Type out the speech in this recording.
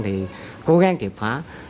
thì cố gắng triệt phá